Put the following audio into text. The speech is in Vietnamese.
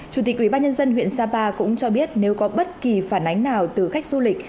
chủ tịch ubnd huyện sapa cũng cho biết nếu có bất kỳ phản ánh nào từ khách du lịch